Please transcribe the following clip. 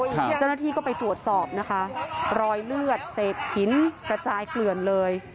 เจ้าหน้าที่ก็ไปตรวจสอบนะคะรอยเลือดเศษหินกระจายเกลื่อนเลย